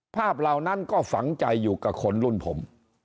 เหล่านั้นก็ฝังใจอยู่กับคนรุ่นผม